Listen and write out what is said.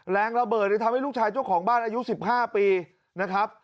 แรงระเบิดเลยทำให้ลูกชายเจ้าของบ้านอายุ๑๕ปีนะครับ